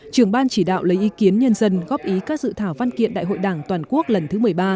trưởng ban chỉ đạo lấy ý kiến nhân dân góp ý các dự thảo văn kiện đại hội đảng toàn quốc lần thứ một mươi ba